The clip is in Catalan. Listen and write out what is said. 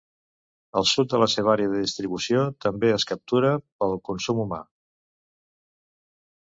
Al sud de la seva àrea de distribució també es captura pel consum humà.